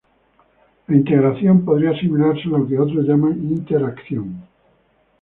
La integración podría asimilarse a lo que otros llaman interacción.